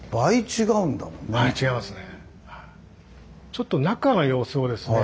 ちょっと中の様子をですね